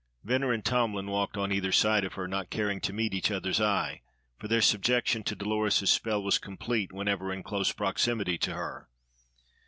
Venner and Tomlin walked on either side of her, not caring to meet each other's eye, for their subjection to Dolores's spell was complete whenever in close proximity to her.